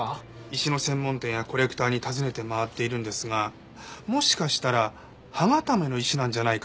石の専門店やコレクターに尋ねて回っているんですがもしかしたら歯固めの石なんじゃないかって言われまして。